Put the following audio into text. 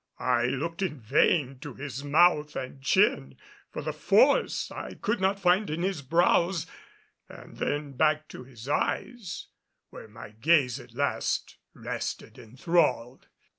I looked in vain to his mouth and chin for the force I could not find in his brows; and then back to his eyes, where my gaze at last rested enthralled.